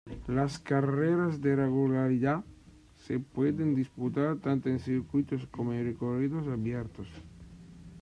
Las carreras de regularidad se pueden disputar tanto en circuitos como en recorridos abiertos.